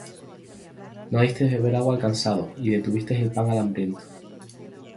No diste de beber agua al cansado, Y detuviste el pan al hambriento.